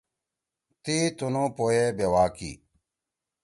تی تُنو پوئے بیوا کی۔